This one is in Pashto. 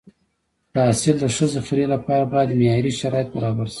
د حاصل د ښه ذخیرې لپاره باید معیاري شرایط برابر شي.